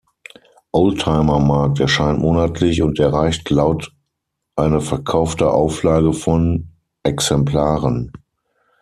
Oldtimer Markt erscheint monatlich und erreicht laut eine verkaufte Auflage von Exemplaren.